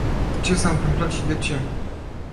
Ce s-a întâmplat și de ce?